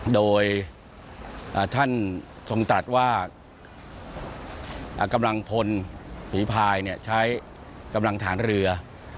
โดยท่านทรงตัดว่ากำลังพลผีพายใช้กำลังฐานเรือ